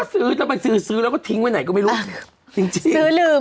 ซื้อต้องไปซื้อซื้อแล้วก็ทิ้งไว้ไหนก็ไม่รู้จริงจริงซื้อลืม